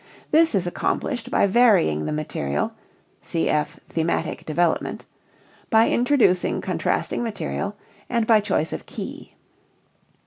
This is accomplished by varying the material (cf. thematic development), by introducing contrasting material, and by choice of key.